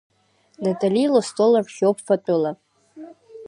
Натали лыстол рхиоуп фатәыла.